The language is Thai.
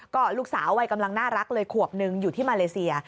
ก็ลูกสาววัยกำลังน่ารักเลยขวบนึงอยู่ที่มาเลเซีย